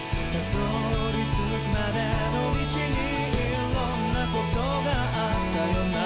「辿り着くまでの道にいろんなことがあったよな」